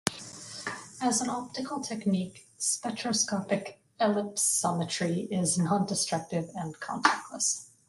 As an optical technique, spectroscopic ellipsometry is non-destructive and contactless.